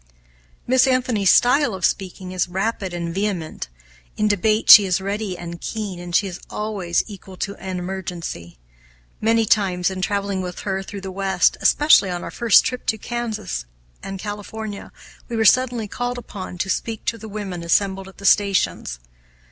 Miss Anthony's style of speaking is rapid and vehement. In debate she is ready and keen, and she is always equal to an emergency. Many times in traveling with her through the West, especially on our first trip to Kansas and California, we were suddenly called upon to speak to the women assembled at the stations.